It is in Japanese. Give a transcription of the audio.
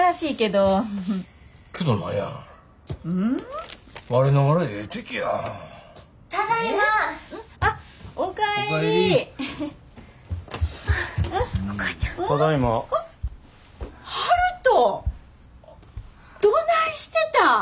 どないしてたん！